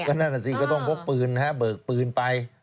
ก็นั่นสิก็ต้องพกปืนเบิกปืนไป